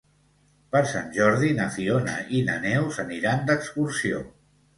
Per Sant Jordi na Fiona i na Neus aniran d'excursió.